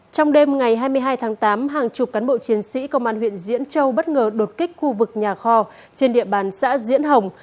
trong đêm ngày hai mươi hai tháng tám hàng chục cán bộ chiến sĩ công an huyện diễn châu bất ngờ đột kích khu vực nhà kho trên địa bàn xã diễn hồng